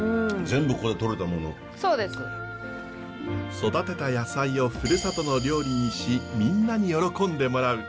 育てた野菜をふるさとの料理にしみんなに喜んでもらう。